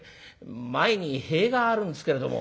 「前に塀があるんですけれども」。